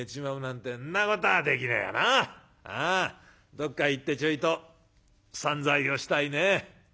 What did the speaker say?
どっか行ってちょいと散財をしたいね。